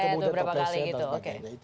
kepleset beberapa kali gitu